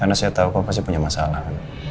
karena saya tau kau pasti punya masalah